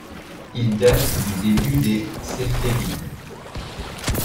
Il date du début des séfévides.